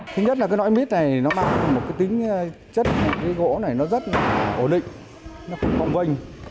thứ nhất là cái loại mít này nó mang một tính chất cái gỗ này nó rất ổn định nó không cong vênh